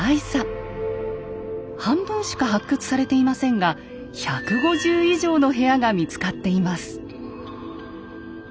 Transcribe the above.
半分しか発掘されていませんが１５０以上の部屋が見つかっています。